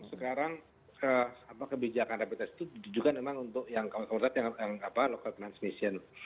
sekarang kebijakan rapid test itu juga memang untuk yang local transmission